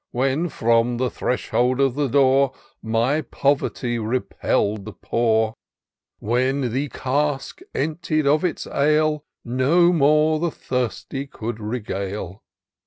When, from the threshold of the door. My poverty repell'd the poor ; When the cask, emptied of its ale, No more the thirsty could regale.